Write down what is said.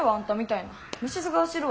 虫ずが走るわ。